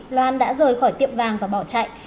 loan đã rời khỏi tiệm vàng và bỏ chạy